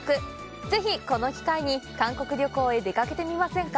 ぜひ、この機会に韓国旅行へ出かけてみませんか。